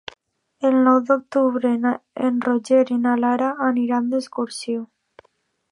El nou d'octubre en Roger i na Lara aniran d'excursió.